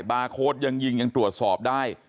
บาร์โค้ดยังยิงยังตรวจสอบได้